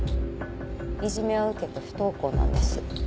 いじめを受けて不登校なんです。